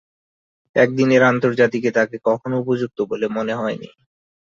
একদিনের আন্তর্জাতিকে তাকে কখনো উপযুক্ত বলে মনে হয়নি।